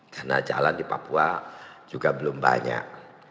karena jalan di papua juga belum banyak